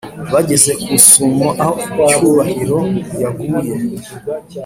bageze kusumo aho cyubahiro yaguye